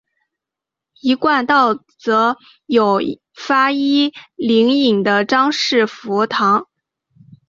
一贯道则有发一灵隐的张氏佛堂。